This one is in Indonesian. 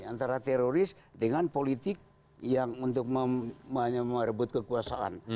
antara teroris dengan politik yang untuk merebut kekuasaan